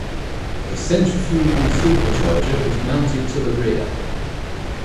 A centrifugal supercharger was mounted to the rear.